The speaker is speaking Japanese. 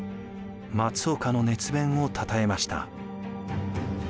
松岡の熱弁をたたえました。